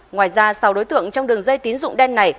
ngoài ra sáu đối tượng trong đường dây tín dụng đen này